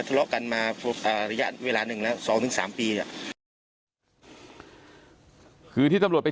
ทะเลาะกันมาระยะเวลาหนึ่งแล้ว๒๓ปีเนี่ยคือที่ตำรวจไป